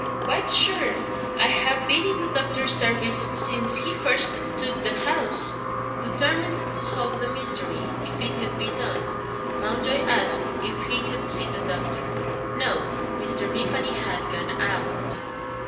"Quite sure. I have been in the doctor's service since he first took the house." Determined to solve the mystery, if it could be done, Mountjoy asked if he could see the doctor. No: Mr. Vimpany had gone out.